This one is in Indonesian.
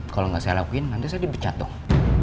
kalau nggak saya lakuin nanti saya dipecat dong